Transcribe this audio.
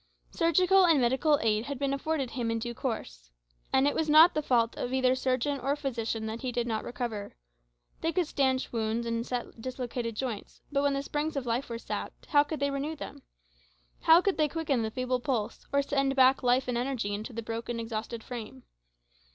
Surgical and medical aid had been afforded him in due course. And it was not the fault of either surgeon or physician that he did not recover. They could stanch wounds and set dislocated joints, but when the springs of life were sapped, how could they renew them? How could they quicken the feeble pulse, or send back life and energy into the broken, exhausted frame?